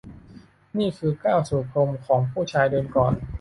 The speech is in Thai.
นี่คือก้าวสู่พรมและผู้ชายเดินก่อน